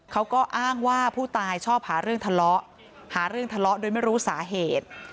เขาก็อ้างว่าผู้ตายชอบหาเรื่องทะเลาะหาเรื่องทะเลาะโดยไม่รู้สาเหตุ